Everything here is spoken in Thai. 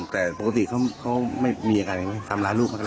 แต่ปกติเขาไม่มีอาการอย่างนี้ไหมทำร้ายลูก